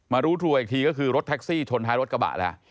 รู้ทัวร์อีกทีก็คือรถแท็กซี่ชนท้ายรถกระบะแล้ว